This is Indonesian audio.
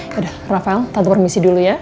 yaudah rafael tante permisi dulu ya